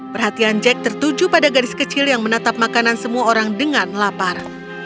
perhatian jack tertuju pada garis kecil yang menatap makanan semua orang dengan lapar